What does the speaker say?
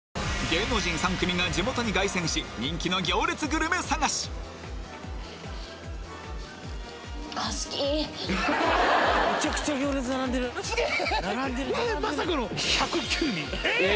芸能人３組が地元に凱旋し人気の行列グルメ探しすげえ！